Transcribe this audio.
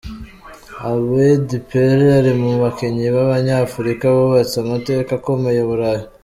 Abedi Pele ari mu bakinnyi b’abanyafurika bubatse amateka akomeye I Burayi.